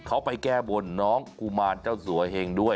เขาไปแก้บนน้องกุมารเจ้าสัวเหงด้วย